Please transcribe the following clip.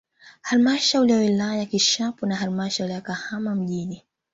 Halmashauri ya wilaya ya Kishapu na halamshauri ya Kahama mjini